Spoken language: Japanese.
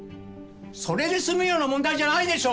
それで済むような問題じゃないでしょう！